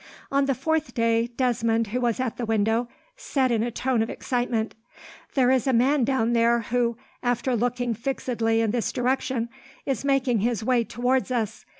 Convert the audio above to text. On the fourth day, Desmond, who was at the window, said in a tone of excitement: "There is a man down there who, after looking fixedly in this direction, is making his way towards us.